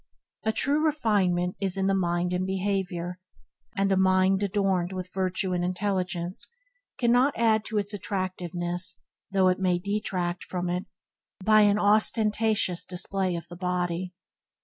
A true refinement is in the mind and behaviour, and a mind adorend with virtue and intelligence cannot add to its attractiveness though it may detract from it) by an ostentatious display of the body.